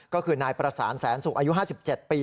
ก็คือนายประสานแสนสุขอายุ๕๗ปี